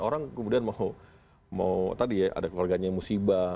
orang kemudian mau tadi ya ada keluarganya yang musibah